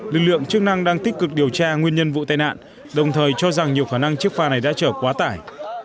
lực lượng chức năng đang tích cực điều tra nguyên nhân vụ tai nạn đồng thời cho rằng nhiều khả năng chiếc phà này đã chở quá tải